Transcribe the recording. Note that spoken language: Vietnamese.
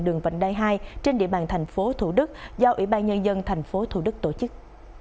đường vành đai hai trên địa bàn thành phố thủ đức do ủy ban nhân dân thành phố thủ đức tổ chức